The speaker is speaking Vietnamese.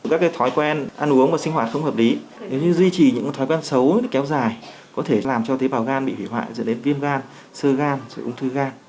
các thói quen ăn uống và sinh hoạt không hợp lý duy trì những thói quen xấu kéo dài có thể làm cho tế bào gan bị hủy hoại dẫn đến viên gan sơ gan ung thư gan